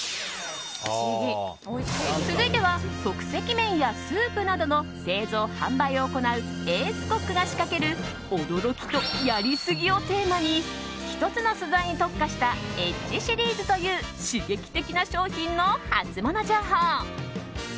続いては、即席麺やスープなどの製造・販売を行うエースコックが仕掛ける驚きとやりすぎをテーマに１つの素材に特化したＥＤＧＥシリーズという刺激的な商品のハツモノ情報。